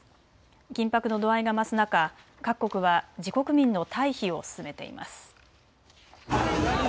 緊迫の度合いが増す中、各国は自国民の退避を進めています。